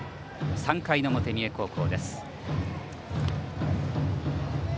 ３回の表、三重高校です。